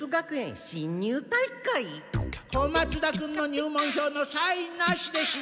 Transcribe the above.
小松田君の入門票のサインなしでしん